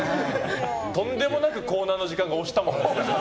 とんでもなくコーナーの時間が押したもんね。